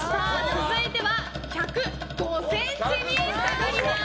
続いては１０５ｃｍに下がります。